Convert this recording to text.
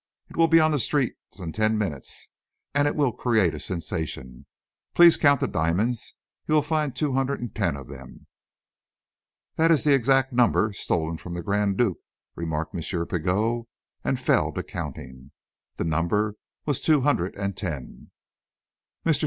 It will be on the streets in ten minutes and it will create a sensation. Please count the diamonds. You will find two hundred and ten of them." "That is the exact number stolen from the Grand Duke," remarked M. Pigot, and fell to counting. The number was two hundred and ten. "Mr.